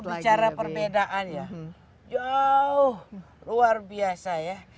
bicara perbedaan ya jauh luar biasa ya